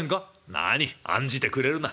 「何案じてくれるな。